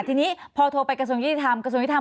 ทีนี้พอโทรไปกระทรวงยุทธิธรรม